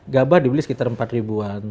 gabah dibeli sekitar empat ribu an